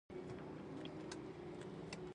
پسه د ژوند یو خوږ اړخ دی.